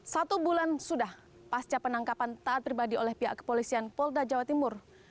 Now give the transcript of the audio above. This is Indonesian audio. satu bulan sudah pasca penangkapan taat pribadi oleh pihak kepolisian polda jawa timur